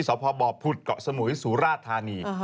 สภพบอบผุดเกาะสมุยสุราชธานี